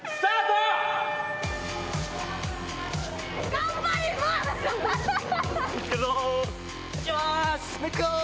頑張ります！